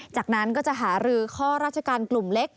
จากนั้นก็จะหารือข้อราชการกลุ่มเล็ก